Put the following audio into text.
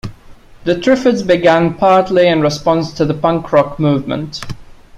The Triffids began partly in response to the punk rock movement.